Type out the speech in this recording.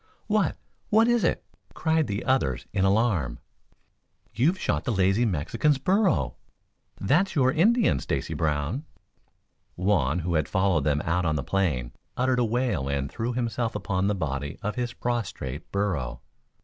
"What what is it?" cried the others in alarm. "You've shot the lazy Mexican's burro. That's your Indian, Stacy Brown." Juan, who had followed them out on the plain, uttered a wail and threw himself upon the body of his prostrate burro.